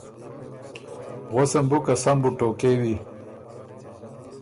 غؤسم بُو که سَۀ م بُو ټوقېوی